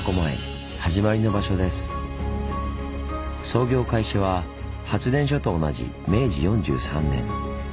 操業開始は発電所と同じ明治４３年。